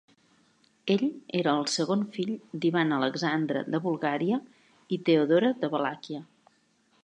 Ell era el segon fill d'Ivan Alexandre de Bulgària i Teodora de Valàquia.